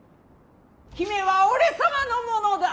姫は俺様のものだ！